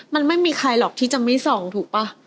มันไม่มีใครหรอกที่จะไม่ส่องถูกป่ะ